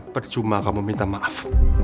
percuma kamu minta maaf